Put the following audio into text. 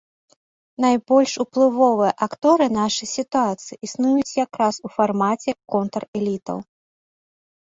Найбольш уплывовыя акторы нашай сітуацыі існуюць як раз у фармаце контр-элітаў.